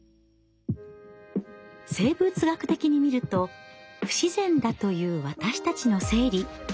生物学的に見ると不自然だという私たちの生理。